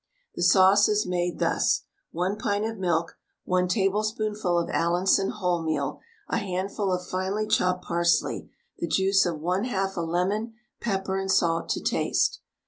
The sauce is made thus: 1 pint of milk, 1 tablespoonful of Allinson wholemeal, a handful of finely chopped parsley, the juice of 1/2 a lemon, pepper and salt to taste.